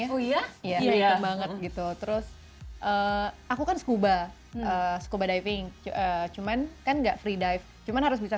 ya oh iya iya banget gitu terus aku kan scuba scuba daerah cuma enggak free dive cuman harus bisa